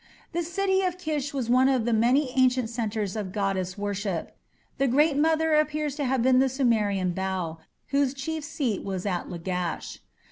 The city of Kish was one of the many ancient centres of goddess worship. The Great Mother appears to have been the Sumerian Bau, whose chief seat was at Lagash.